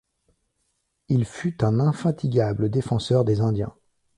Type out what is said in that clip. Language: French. Il fut un infatigable défenseur des indiens.